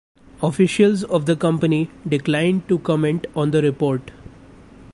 Officials of the company declined to comment on the report.